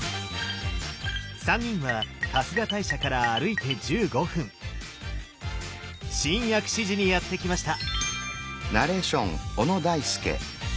３人は春日大社から歩いて１５分新薬師寺にやって来ました。